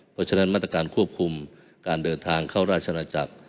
เพราะฉะนั้นมาตรการควบคุมการเดินทางเข้าราชนาจักร